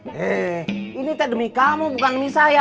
eh ini teh demi kamu bukan demi saya